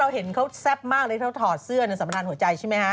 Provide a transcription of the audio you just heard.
ก็เราเห็นเขาแซ่บมากเลยเขาถอดเสื้อในสัมพันธ์หัวใจใช่ไหมฮะ